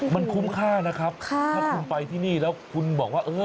มันคุ้มค่านะครับถ้าคุณไปที่นี่แล้วคุณบอกว่าเออ